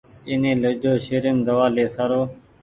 ايني ليجو شهريم دوآ لي سآرون